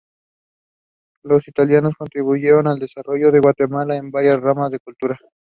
Los italianos contribuyeron al desarrollo de Guatemala en varias ramas de la cultura.